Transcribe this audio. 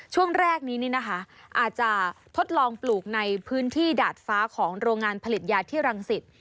ช่วงแรกนี้นะคะอาจจะทดลองปลูกในพื้นที่ดาดฟ้าของโรงงานผลิตยาที่รังสิต